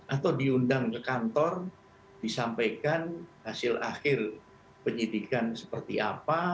atau diundang ke kantor disampaikan hasil akhir penyidikan seperti apa